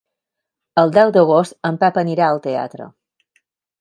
El deu d'agost en Pep anirà al teatre.